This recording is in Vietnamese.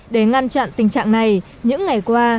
để ngăn chặn tình trạng này những ngày qua